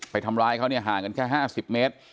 ไปทำร้ายเขาเนี่ยห่างกันแค่๕๐เมตร